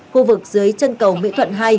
khu vực dưới chân cầu mỹ thuận hai